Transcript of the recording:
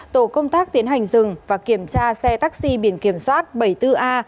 tổ công tác tiến hành dừng và kiểm tra xe taxi biển kiểm soát bảy mươi bốn a sáu nghìn tám trăm bảy mươi chín